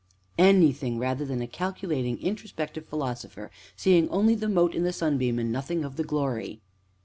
"Anything rather than a calculating, introspective philosopher, seeing only the mote in the sunbeam, and nothing of the glory."